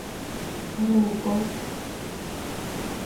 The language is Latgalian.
Ryukuot.